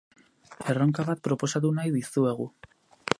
Erronka bat proposatu nahi dizuegu.